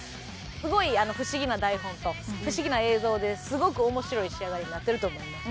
すごい不思議な台本と不思議な映像ですごく面白い仕上がりになってると思います。